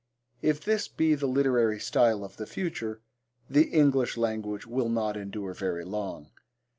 If this be the literary style of the future the English language will not endure very long.